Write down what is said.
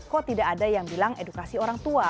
kok tidak ada yang bilang edukasi orang tua